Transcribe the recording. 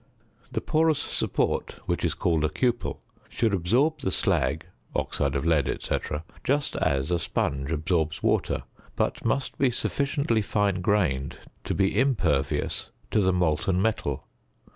The porous support, which is called _a cupel_(fig. 5), should absorb the slag (oxide of lead, etc.) just as a sponge absorbs water, but must be sufficiently fine grained to be impervious to the molten metal.